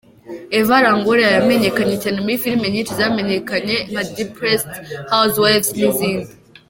Eva Longoria yamenyekanye cyane muri filime nyinshi zamenyekanye nka Desperate House wives n’izindi.